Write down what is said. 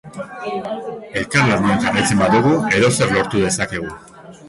Elkarlanean jarraitzen badugu edozer lortu dezakegu.